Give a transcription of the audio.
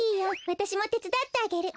わたしもてつだってあげる。